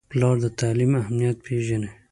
پلار د تعلیم اهمیت پیژني.